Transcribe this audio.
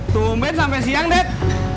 tunggu main sampai siang dad